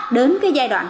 đến cái giai đoạn này